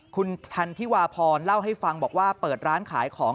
คุณทันธิวาพรเล่าให้ฟังบอกว่าเปิดร้านขายของ